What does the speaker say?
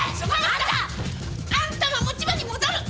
あんたは持ち場に戻る！